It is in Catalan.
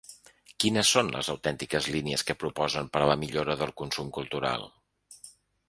Quines són les autèntiques línies que proposen per a la millora del consum cultural?